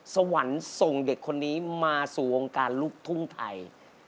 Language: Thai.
สวรรค์ส่งเด็กคนนี้มาสู่วงการลูกทุ่งไทย